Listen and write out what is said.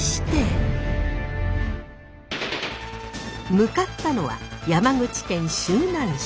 向かったのは山口県周南市。